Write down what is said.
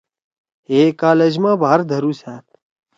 ہے کالج ما بھار دھرُوسأد